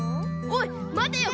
おいまてよ！